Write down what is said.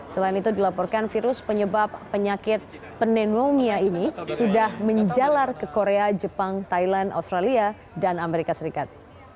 selain itu dilaporkan virus penyebab penyakit pneumonia ini sudah menjalar ke korea jepang thailand australia dan amerika serikat